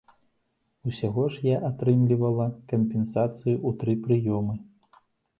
Усяго ж я атрымлівала кампенсацыю ў тры прыёмы.